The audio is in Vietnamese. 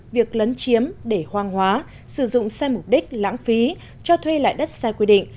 việc lấn chiếm để hoang hóa sử dụng sai mục đích lãng phí cho thuê lại đất sai quy định